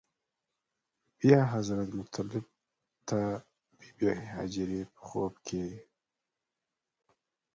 بیا حضرت مطلب ته بې بي هاجره په خوب کې.